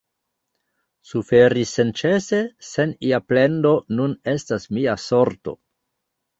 Suferi senĉese, sen ia plendo, nun estas mia sorto.